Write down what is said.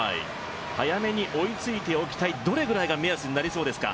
早めに追いついておきたいどれぐらいが目安になりそうですか？